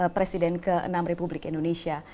presiden ke enam republik indonesia